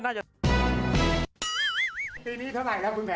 น่ารักไอ้เขา